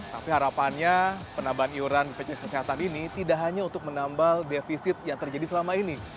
tapi harapannya penambahan iuran bpjs kesehatan ini tidak hanya untuk menambal defisit yang terjadi selama ini